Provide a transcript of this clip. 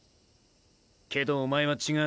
けどおまえは違う。